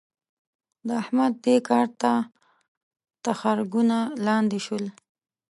د احمد؛ دې کار ته تخرګونه لانده شول.